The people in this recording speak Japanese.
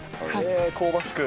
香ばしく。